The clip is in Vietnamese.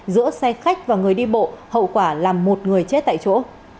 giữa xe khách và người đi bộ hậu quả làm một người chết tại chỗ